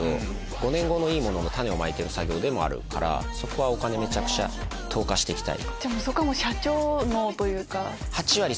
５年後のいいものの種をまいてる作業でもあるからそこはお金むちゃくちゃ投下していきたい。